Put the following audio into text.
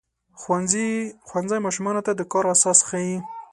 ښوونځی ماشومانو ته د کار اساس ښيي.